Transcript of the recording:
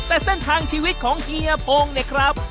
แต่เส้นทางชีวิตของเฮียพงเนี่ยครับ